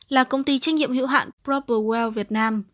là công ty trách nhiệm hữu hạn propple well việt nam